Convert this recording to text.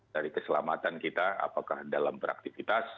dari keselamatan kita apakah dalam beraktivitas